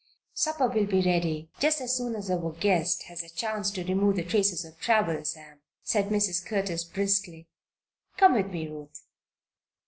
"Supper will be ready just as soon as our guest has a chance to remove the traces of travel, Sam," said Mrs. Curtis, briskly. "Come with me, Ruth."